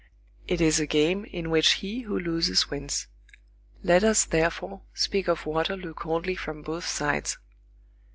It is a game in which he who loses wins. Let us, therefore, speak of Waterloo coldly from both sides.